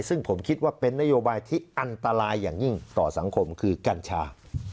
ซึ่งผมคิดว่าเป็นนโยบายที่อันตรายอย่างยิ่งต่อสังคมคือกัญชา